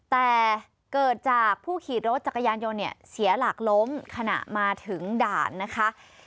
แต่เกิดจากผู้ขี่รถจักรยานยนต์เนี่ยเสียหลักล้มขณะมาถึงด่านนะคะ